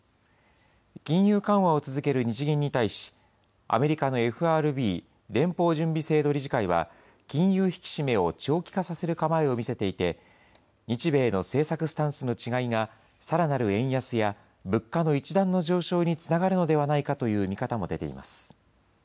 金融緩和を続ける日銀に対し、アメリカのＦＲＢ・連邦準備制度理事会は、金融引き締めを長期化させる構えを見せていて、日米の政策スタンスの違いがさらなる円安や、物価の一段の上昇につながるのではないかという見方も出ています。